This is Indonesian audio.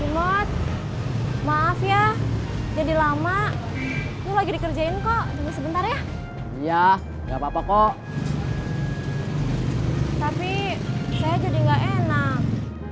maaf ya jadi lama lagi dikerjain kok sebentar ya iya nggak apa apa kok tapi saya jadi nggak enak